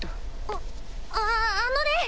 ああのね！